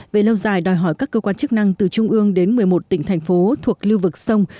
về lâu dài đòi hỏi các cơ quan chức năng từ trung ương đến một mươi một tỉnh thành phố thuộc lưu vực sông